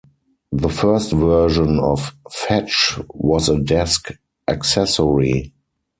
The first version of Fetch was a desk accessory.